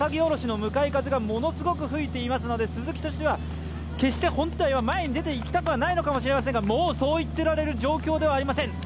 今日は赤城おろしの向かい風がものすごく吹いていますので、鈴木としては決して本当は前に出て行きたくないのかもしれませんが、もうそう言ってられる状況ではありません。